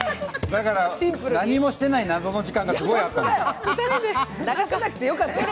だから何もしてない謎の時間がすごいあったの。